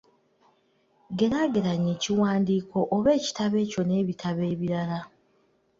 Geeraageranya ekiwandiiko oba ekitabo ekyo n'ebitabo ebirala.